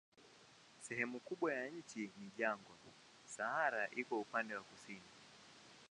Sehemu kubwa ya nchi ni jangwa, Sahara iko upande wa kusini.